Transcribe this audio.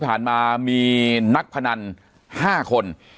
ปากกับภาคภูมิ